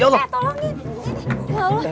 ya allah ya allah